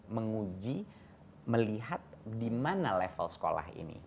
menguji melihat di mana level sekolah ini